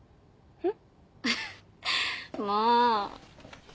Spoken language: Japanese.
うん。